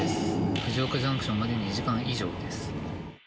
藤岡ジャンクションまで２時間以上です。